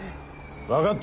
わかった。